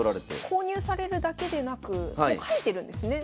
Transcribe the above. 購入されるだけでなく描いてるんですね。